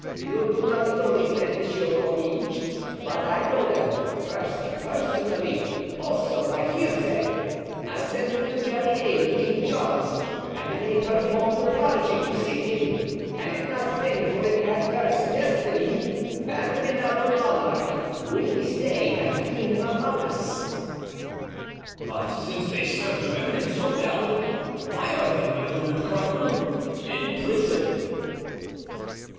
"You do not know these men, Monsieur Comminges, but I know them, first personally, also by hearsay. I sent them to carry aid to King Charles and they performed prodigies to save him; had it not been for an adverse destiny, that beloved monarch would this day have been among us." "But since they served your eminence so well, why are they, my lord cardinal, in prison?"